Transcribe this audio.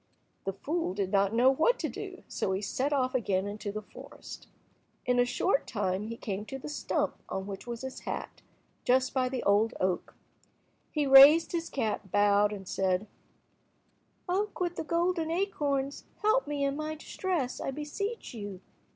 The fool did not know what to do, so he set off again to the forest. In a short time he came to the stump on which was his hat, just by the old oak. He raised his cap, bowed, and said— "Oak with the golden acorns, help me in my distress, I beseech you.